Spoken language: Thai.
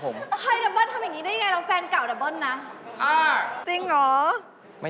เห้ยบ้านทำยังไงอย่างไงล้างแฟนเก่าแต่บ้านนะ